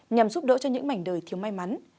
nhằm giúp đỡ cho những mảnh đời thiếu may mắn